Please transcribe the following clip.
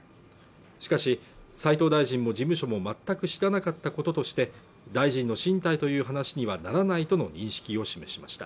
しかし斉藤大臣も事務所も全く知らなかったこととして大臣の進退という話にはならないとの認識を示しました